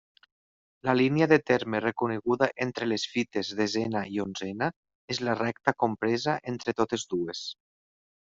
La línia de terme reconeguda entre les fites desena i onzena és la recta compresa entre totes dues.